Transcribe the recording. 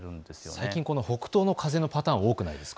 最近、北東の風のパターン多くないですか。